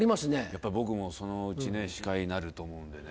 やっぱ僕もそのうちね司会なると思うんでね。